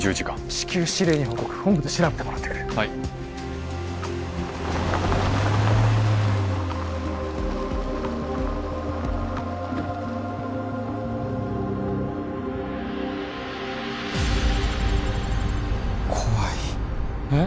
至急司令に報告本部で調べてもらってくれはい怖いえっ？